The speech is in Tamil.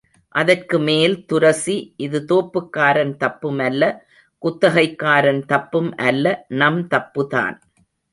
அதற்கு மேல்துரசி இது தோப்புக்காரன் தப்புமல்ல குத்தகைக்காரன் தப்பும் அல்ல நம் தப்புதான்.